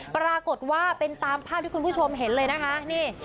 ปรากฏว่าเป็นตามภาพที่คุณผู้ชมเห็นเลยนะคะนี่